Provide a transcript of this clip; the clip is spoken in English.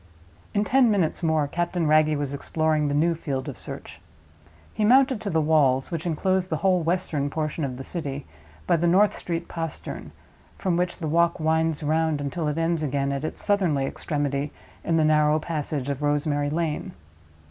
In ten minutes more Captain Wragge was exploring the new field of search. He mounted to the walls (which inclose the whole western portion of the city) by the North Street Postern, from which the walk winds round until it ends again at its southernly extremity in the narrow passage of Rosemary Lane.